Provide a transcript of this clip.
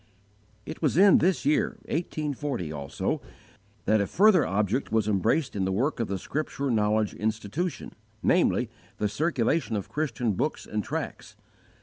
It was in this year 1840, also, that a further object was embraced in the work of the Scripture Knowledge Institution, namely, the circulation of Christian books and tracts.